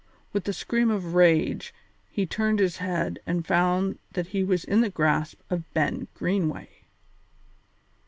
With a scream of rage, he turned his head and found that he was in the grasp of Ben Greenway.